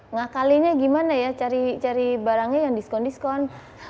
ngakalinya gimana ya cari barangnya yang diskon diskon